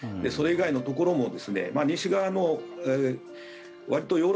それ以外のところも西側のわりと